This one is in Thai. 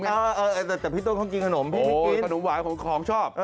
แต่พี่โต๊ะเข้ากินขนมขนมหวานของของชอบ